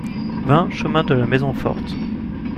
vingt chemin de la Maison Forte